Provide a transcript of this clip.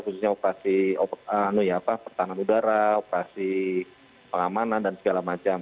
khususnya operasi pertahanan udara operasi pengamanan dan segala macam